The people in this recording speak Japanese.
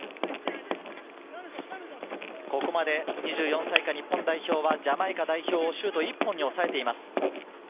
ここまで２４歳以下、日本代表はジャマイカ代表をシュート１本に抑えています。